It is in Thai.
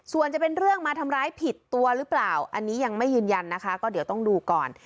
ส่วนจะเป็นเรื่องมาทำร้ายผิดตัวหรือเปล่าอันนี้ยังไม่ยืนยันนะคะก็เดี๋ยวต้องดูก่อน